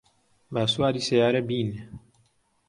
با سواری سەیارە بین.